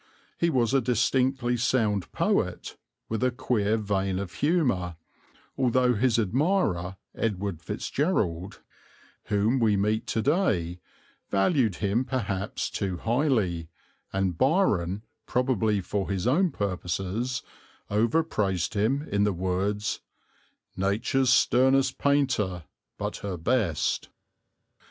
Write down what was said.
He was a distinctly sound poet, with a queer vein of humour, although his admirer, Edward Fitzgerald, whom we meet to day, valued him perhaps too highly, and Byron, probably for his own purposes, overpraised him in the words: Nature's sternest painter, but her best.